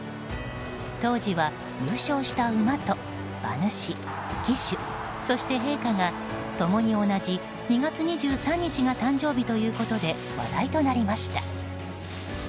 当時は、優勝した馬と馬主、騎手、そして陛下が共に同じ２月２３日が誕生日ということで話題となりました。